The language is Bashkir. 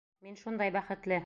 Мин шундай бәхетле!